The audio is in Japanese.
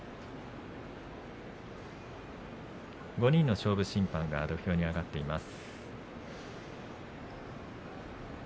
５人の勝負審判が土俵に上がっています。